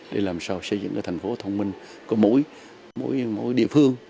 để làm sao xây dựng tp thông minh có mũi mũi địa phương